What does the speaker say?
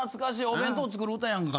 お弁当作る歌やんか。